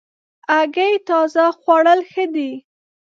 هګۍ تازه خوړل ښه دي.